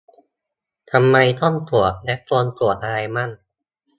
ทำไมต้องตรวจ และควรตรวจอะไรบ้าง